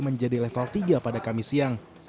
menjadi level tiga pada kamis siang